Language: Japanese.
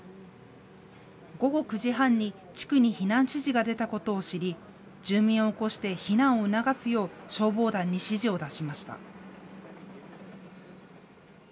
午後９時半に地区に避難指示が出たことを知り住民を起こして避難を促すよう消防団に指示を出しました。